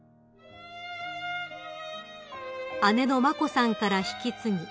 ［姉の眞子さんから引き継ぎ